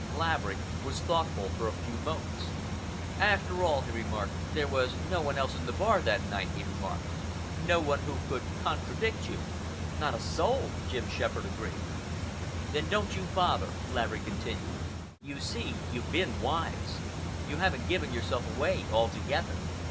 Laverick was thoughtful for a few moments. "After all, there was no one else in the bar that night," he remarked,—"no one who could contradict you?" "Not a soul," Jim Shepherd agreed. "Then don't you bother," Laverick continued. "You see, you've been wise. You haven't given yourself away altogether.